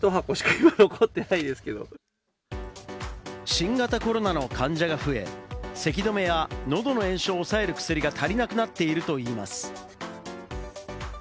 新型コロナの患者が増え、咳どめや喉の炎症を抑える薬が足りなくなっているといいます。